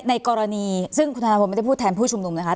ในกรณีซึ่งคุณธนาพนธนาพนธนาไม่ได้พูดแทนผู้ชมนุมนะคะ